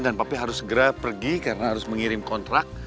dan papi harus segera pergi karena harus mengirim kontrak